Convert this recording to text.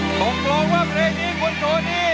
ผมรองว่าเพลงนี้คุณทนนี่